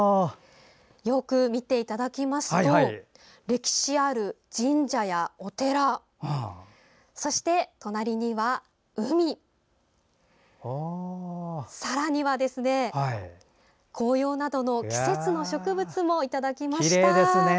よく見ていただきますと歴史あるお寺や神社、そして海さらには、紅葉などの季節の植物もいただきました。